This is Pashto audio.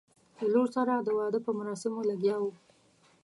له لور سره د واده په مراسمو لګیا وو.